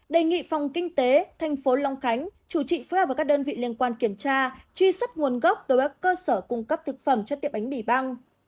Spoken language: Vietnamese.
đề nghị phòng kinh tế tp hcm chủ trì phối hợp với các đơn vị liên quan kiểm tra truy xuất nguồn gốc đối với cơ sở cung cấp thực phẩm cho tiệm bánh mì băng